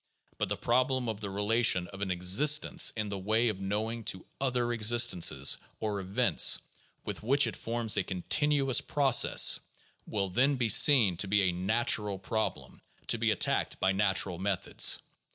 But the problem of the relation of an existence in the way of knowing to other existences — or events — with which it forms a continuous proc ess will then be seen to be a natural problem to be attacked by nat ural methods.